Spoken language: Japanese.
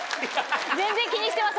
全然気にしてます